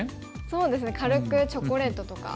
そうですね軽くチョコレートとか。